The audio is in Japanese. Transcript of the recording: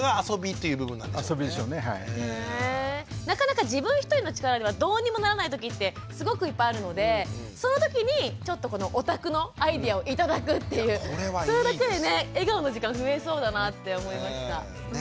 なかなか自分一人の力ではどうにもならない時ってすごくいっぱいあるのでその時にちょっとこのお宅のアイデアを頂くっていうそれだけでね笑顔の時間増えそうだなって思いました。